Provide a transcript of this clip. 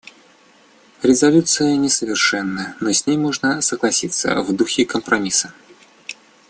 Резолюция несовершенна, но с ней можно согласиться в духе компромисса.